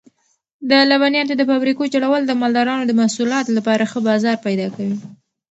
د لبنیاتو د فابریکو جوړول د مالدارانو د محصولاتو لپاره ښه بازار پیدا کوي.